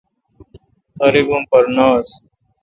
غریب ام پر نہ ہنس۔